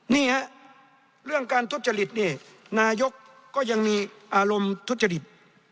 นี่ฮะเรื่องการทุจริตนี่นายกก็ยังมีอารมณ์ทุจริต